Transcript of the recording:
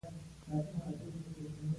ګواکې ځان ته یې د فکر کولو تکلیف نه دی ورکړی.